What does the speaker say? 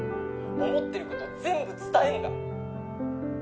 思ってることを全部伝えんだ。